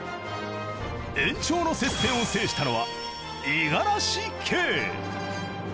延長の接戦を制したのは五十嵐圭。